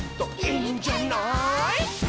「いいんじゃない」